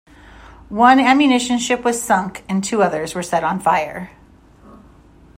One ammunition ship was sunk and two others were set on fire.